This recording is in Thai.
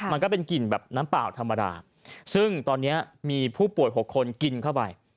มันก็เป็นกลิ่นแบบน้ำเปล่าธรรมดาซึ่งตอนนี้มีผู้ป่วย๖คนกินเข้าไป